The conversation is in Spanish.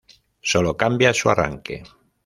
Sólo cambia su arranque.